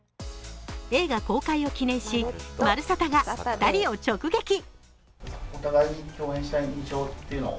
映画公開を記念し、「まるサタ」が２人を直撃。